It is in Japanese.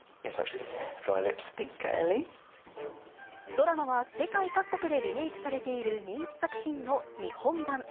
ドラマは世界各国でリメークされている人気作品の日本版。